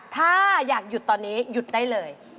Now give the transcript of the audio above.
ถ้าอยากหยุดตอนนี้หยุดได้เลย